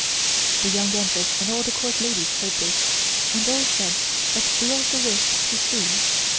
The Young Empress and all the Court ladies heard this, and all said that they also wished to see.